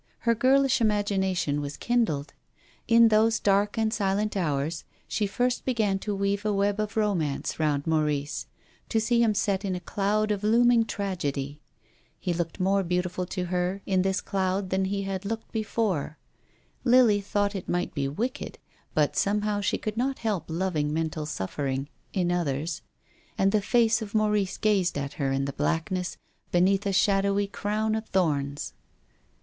Her girlish imagination was kindled. In those dark and silent hours she first began to weave a web of romance round Maurice, to see him set in a cloud of looming tragedy. He looked more beautiful to her in this cloud than he had looked before. Lily thought it might be wicked, but somehow she could not help loving mental suffering — in others. And the face of Maurice gazed at her in the blackness beneath a shadowy crown of thorns.